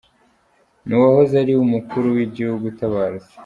Ni uwahoze ari umukuru w’igihugu utabarutse.